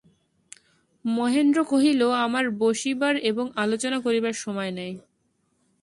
মহেন্দ্র কহিল, আমার বসিবার এবং আলোচনা করিবার সময় নাই।